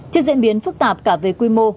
trên diễn biến phức tạp cả về quy mô